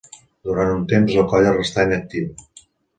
Durant un temps, la colla restà inactiva.